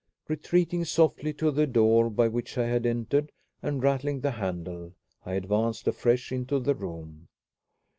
Retreating softly to the door by which I had entered, and rattling the handle, I advanced afresh into the room.